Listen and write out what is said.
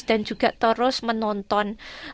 dan juga terus menonton